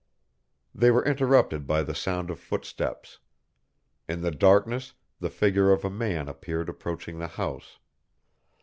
They were interrupted by the sound of footsteps. In the darkness the figure of a man appeared approaching the house.